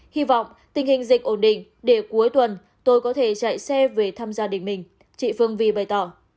hy vọng tình hình dịch ổn định để cuối tuần tôi có thể chạy xe về thăm gia đình mình chị phương vi bày tỏ